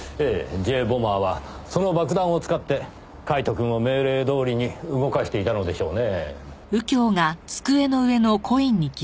Ｊ・ボマーはその爆弾を使ってカイトくんを命令どおりに動かしていたのでしょうねぇ。